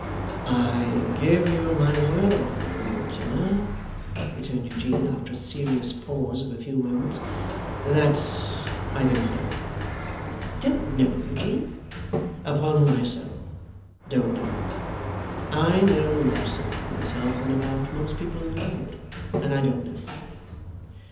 'I give you my word of honour, Mortimer,' returned Eugene, after a serious pause of a few moments, 'that I don't know.' 'Don't know, Eugene?' 'Upon my soul, don't know. I know less about myself than about most people in the world, and I don't know.